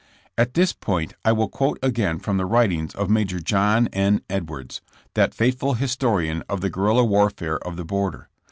At this point I will quote again from the writings of Major John N. Edwards, that faithful historian of the guerrilla warfare of the border.